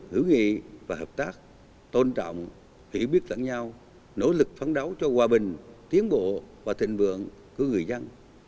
hữu nghị và hợp tác tôn trọng hiểu biết lẫn nhau nỗ lực phấn đấu cho hòa bình tiến bộ và thịnh vượng của người dân